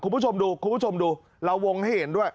คุณผู้ชมดูคุณผู้ชมดูเราวงให้เห็นด้วย